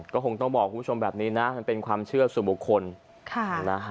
ก็คงต้องบอกคุณผู้ชมแบบนี้นะมันเป็นความเชื่อสู่บุคคลนะฮะ